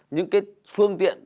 những cái phương tiện